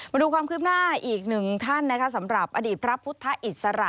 มาดูความคืบหน้าอีกหนึ่งท่านนะคะสำหรับอดีตพระพุทธอิสระ